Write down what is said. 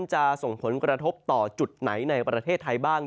จะส่งผลกระทบต่อจุดไหนในประเทศไทยบ้าง